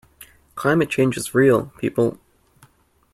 Climate change is real, people.